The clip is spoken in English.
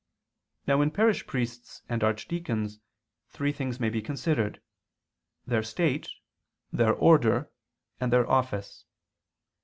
Now in parish priests and archdeacons three things may be considered, their state, their order, and their office.